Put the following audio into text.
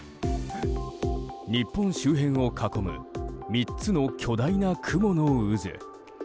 日本周辺を囲む３つの巨大な雲の渦。